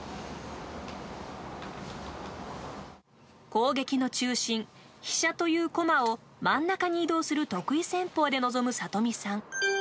攻撃の中心飛車という駒を真ん中に移動する得意戦法で臨む里見さん。